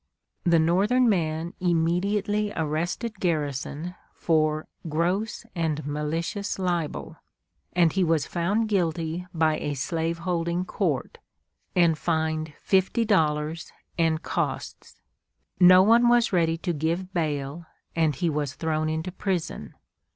The Northern man immediately arrested Garrison for "gross and malicious libel," and he was found guilty by a slave holding court, and fined fifty dollars and costs. No one was ready to give bail, and he was thrown into prison.